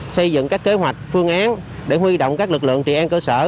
xây dựng các kế hoạch phương án để huy động các lực lượng trị an cơ sở